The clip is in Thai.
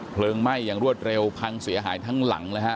ไหม้อย่างรวดเร็วพังเสียหายทั้งหลังนะฮะ